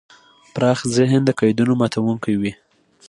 پراخ ذهن د قیدونو ماتونکی وي.